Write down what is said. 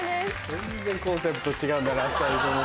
全然コンセプト違うんだな２人とも。